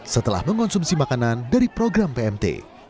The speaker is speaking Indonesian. setelah mengonsumsi makanan dari program pmt